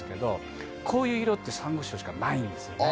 こういう色ってサンゴ礁しかないんです。